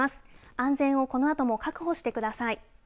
安全をこのあとも確保してください。